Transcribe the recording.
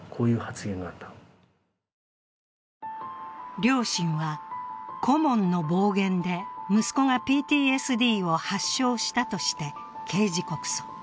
両親は、顧問の暴言で息子がＰＴＳＤを発症したとして刑事告訴。